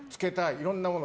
いろんなもの